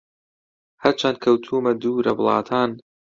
هەرچەن کەوتوومە دوورە وڵاتان